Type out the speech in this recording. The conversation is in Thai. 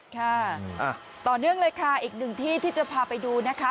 ค่ะต่อเนื่องเลยค่ะอีกหนึ่งที่ที่จะพาไปดูนะคะ